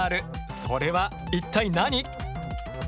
それは一体何？